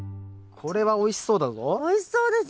これはおいしそうだぞ。